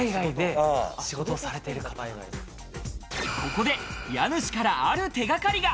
ここで家主から、ある手掛かりが。